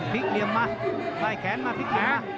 พลิกเหลี่ยมมา